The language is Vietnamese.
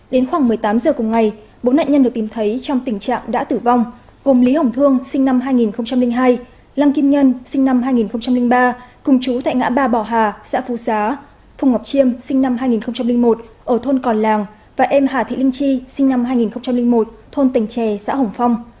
đến khoảng một mươi tám giờ cùng ngày bốn nạn nhân được tìm thấy trong tình trạng đã tử vong gồm lý hồng thương sinh năm hai nghìn hai lâm kim nhân sinh năm hai nghìn ba cùng chú tại ngã ba bò hà xã phú xá phùng ngọc chiêm sinh năm hai nghìn một ở thôn còn làng và em hà thị linh chi sinh năm hai nghìn một thôn tỉnh trè xã hồng phong